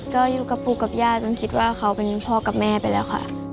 ก็อยู่กับปู่กับย่าจนคิดว่าเขาเป็นพ่อกับแม่ไปแล้วค่ะ